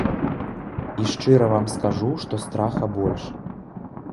І шчыра вам скажу, што страха больш.